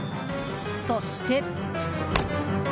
そして。